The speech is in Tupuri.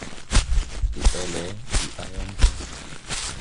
Deʼele, ndi a yaŋ toŋ.